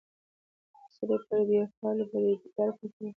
چې سړى پرې د يوه فعال بريدګر په توګه